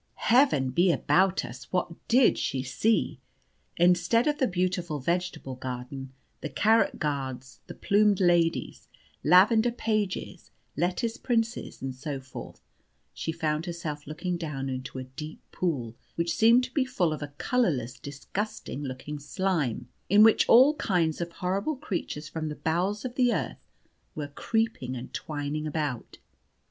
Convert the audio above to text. Heaven be about us! what did she see? Instead of the beautiful vegetable garden, the carrot guards, the plumed ladies, lavender pages, lettuce princes, and so forth, she found herself looking down into a deep pool which seemed to be full of a colourless, disgusting looking slime, in which all kinds of horrible creatures from the bowels of the earth were creeping and twining about.